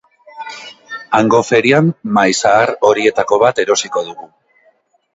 Hango ferian mahai zahar horietako bat erosiko dugu.